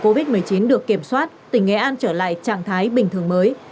covid một mươi chín được kiểm soát tỉnh nghệ an trở lại trạng thái bình thường mới